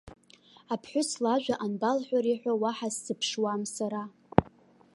Аԥҳәыс лажәа анбалҳәари ҳәа уаҳа сзыԥшуам сара.